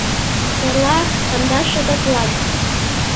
— Эрла, кандаш шагатлан.